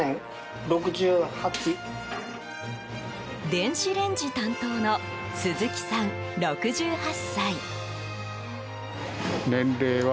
電子レンジ担当の鈴木さん、６８歳。